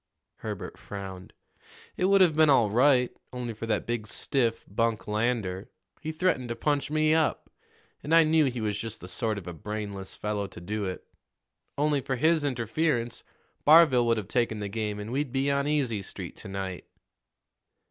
Herbert frowned. "It would have been all right, only for that big stiff, Bunk Lander. He threatened to punch me up, and I knew he was just the sort of a brainless fellow to do it. Only for his interference, Barville would have taken the game, and we'd be on Easy Street to night."